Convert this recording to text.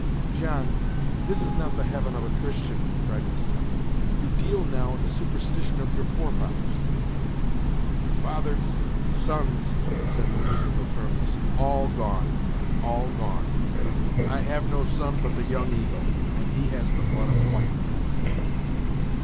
"John! this is not the heaven of a Christian," cried Miss Temple; "you deal now in the superstition of your forefathers." "Fathers! sons!" said Mohegan, with firmness. "all gone all gone! have no son but the Young Eagle, and he has the blood of a white man."